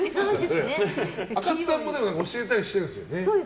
あかつさんも教えたりしてるんですよね。